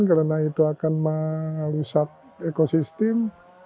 karena itu akan merusak ekosistem